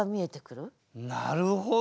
なるほど。